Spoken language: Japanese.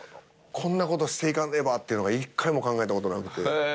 こんなことしていかねばっていうのが一回も考えたことなくて。